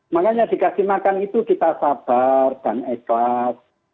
makanya dikasih makan itu kita sabar dan ikhlas